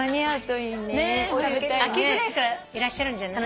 秋ぐらいからいらっしゃるんじゃない？